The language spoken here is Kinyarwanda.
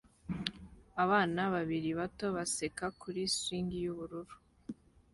Abana babiri bato baseka kuri swing y'ubururu